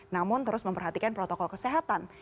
namun terus memperhatikan protokol kesehatan